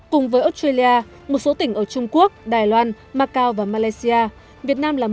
cùng với australia một số tỉnh ở trung quốc đài loan macau và malaysia